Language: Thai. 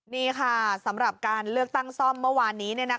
นี่ค่ะสำหรับการเลือกตั้งซ่อมเมื่อวานนี้